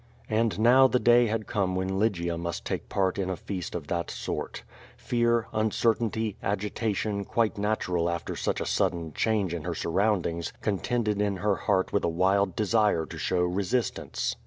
And now the day had come when Lygia must take part in a feast of that sort. Fear, uncertainty, agitation, quite natu ral after such a sudden change in her surroundings contended in her heart with a wild desire to show resistance.